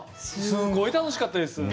すごい楽しかったです。